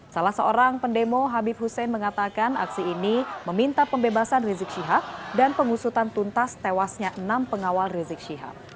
salah seorang pendemo habib hussein mengatakan aksi ini meminta pembebasan rizik syihab dan pengusutan tuntas tewasnya enam pengawal rizik syihab